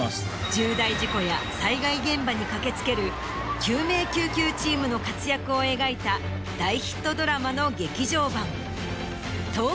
重大事故や災害現場に駆け付ける救命救急チームの活躍を描いた大ヒットドラマの劇場版。